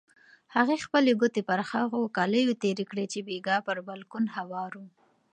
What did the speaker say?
هغې خپلې ګوتې پر هغو کالیو تېرې کړې چې بېګا پر بالکن هوار وو.